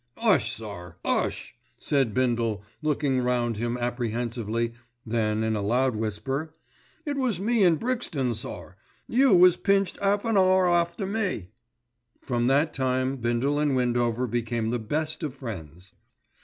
"'Ush, sir, 'ush!" said Bindle looking round him apprehensively, then in a loud whisper, "It was in Brixton, sir. You was pinched 'alf an 'our after me." From that time Bindle and Windover became the best of friends.